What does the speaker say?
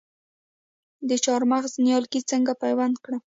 د چهارمغز نیالګي څنګه پیوند کړم؟